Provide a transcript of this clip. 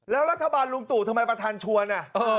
แล้วรัฐบาลลุงตู่ทำไมประธานชวน